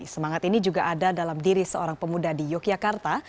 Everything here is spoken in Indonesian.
semangat ini juga ada dalam diri seorang pemuda di yogyakarta